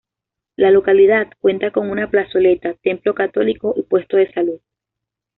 La localidad cuenta con una plazoleta, templo católico y puesto de salud.